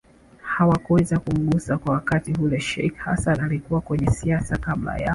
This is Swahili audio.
hawakuweza kumgusa kwa wakati hule Sheikh Hassan alikuwa kwenye siasa kabla ya